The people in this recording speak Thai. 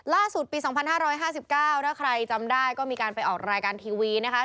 ปี๒๕๕๙ถ้าใครจำได้ก็มีการไปออกรายการทีวีนะคะ